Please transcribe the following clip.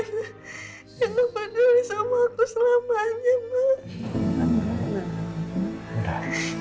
nino gak peduli sama aku selamanya